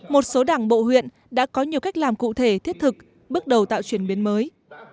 một số đảng bộ huyện đã có nhiều cách làm cụ thể thiết thực bước đầu tạo chuyển biến mới